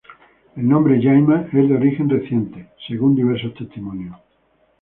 El nombre "Llaima" es de origen reciente, según diversos testimonios.